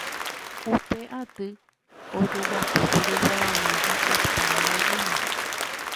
Upe aty ojejapókuri Guarani ha España ñeʼẽme.